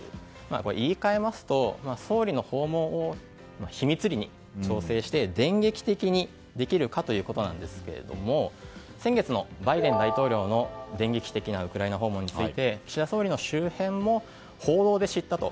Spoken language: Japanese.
言いかえますと総理の訪問を秘密裏に調整して、電撃的にできるかということですが先月のバイデン大統領の電撃的なウクライナ訪問について岸田総理の周辺も報道で知ったと。